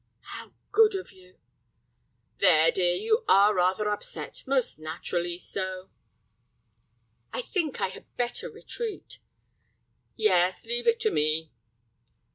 "How good of you!" "There, dear, you are rather upset, most naturally so—" "I think I had better retreat." "Yes, leave it to me."